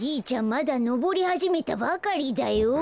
まだのぼりはじめたばかりだよ。